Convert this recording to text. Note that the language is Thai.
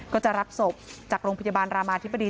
ก็จะรับศพจากโรงพยาบาลรามาธิบดี